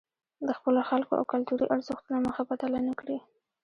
د خپلو خلکو او کلتوري ارزښتونو مخه بدله نکړي.